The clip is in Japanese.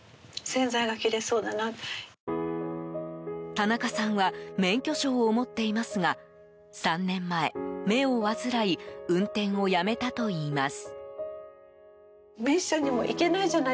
田中さんは免許証を持っていますが３年前、目を患い運転をやめたといいます。